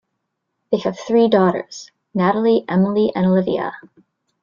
They have three daughters, Natalie, Emily and Alyvia.